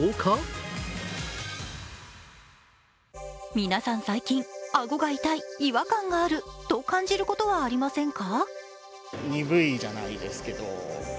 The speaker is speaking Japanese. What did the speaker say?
皆さん、最近顎が痛い、違和感があると感じることはありませんか？